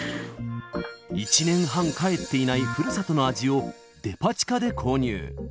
１年半帰っていないふるさとの味を、デパ地下で購入。